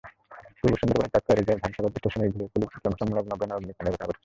পূর্ব সুন্দরবনের চাঁদপাই রেঞ্জের ধানসাগর স্টেশনের ঘুলিসাখালী ক্যাম্পসংলগ্ন বনে অগ্নিকাণ্ডের ঘটনা ঘটেছে।